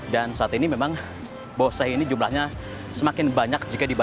dan saat ini memang boseh ini jumlahnya semakin banyak